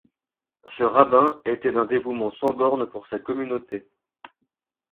Ce rabbin était d'un dévouement sans borne pour sa communauté.